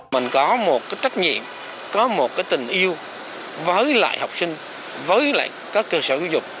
mình có một cái trách nhiệm có một cái tình yêu với lại học sinh với lại các cơ sở giáo dục